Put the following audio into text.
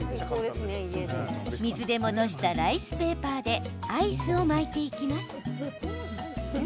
水で戻したライスペーパーでアイスを巻いていきます。